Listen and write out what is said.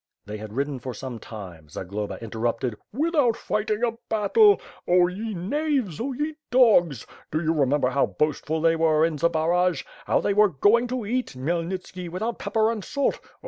They had ridden for some time, Zagloba interrupted, "Without fighting a battle! Oh ye knaves, oh ye dogs! Do you remember how boastful they w«Te in Zbaraj, how they were going to eat Khmyelnitski, without pepper and salt?